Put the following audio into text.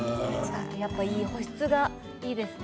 やっぱり保湿がいいですね。